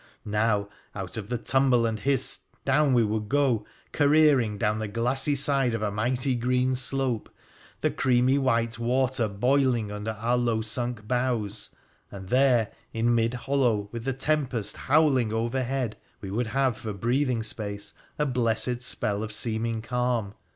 Now, out of the tumble and hiss, down we would go, careering down the glassy side of a mighty green slope, the creamy white water boiling under our low sunk bows, and there, in mid hollow, with the tempest howl ing overhead, we would have for a breathing space a blessed spell of seeming calm.